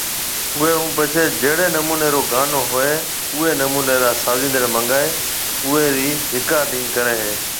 اوئي ھونپڇي جھڙي نموني رو گانو ھوئي اوئي نموني را سازيندڙ منگائي اوئون رِي رڪارڊنگ ڪري ھيَََ